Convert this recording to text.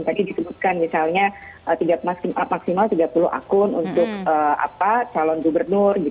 tadi disebutkan misalnya maksimal tiga puluh akun untuk calon gubernur